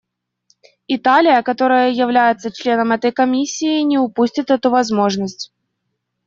Италия, которая является членом этой Комиссии, не упустит эту возможность.